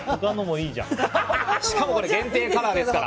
しかも限定カラーですから。